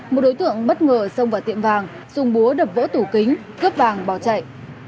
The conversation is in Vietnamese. một đối tượng bất ngờ xông vào tiệm vàng dùng búa đập vỡ tủ kính cướp vàng bỏ chạy